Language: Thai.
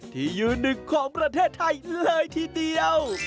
ที่ยืนหนึ่งของประเทศไทยเลยทีเดียว